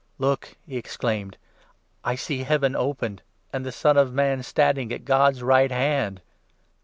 "Look," he exclaimed, "I see Heaven open and the Son 56 of Man standing at God's right hand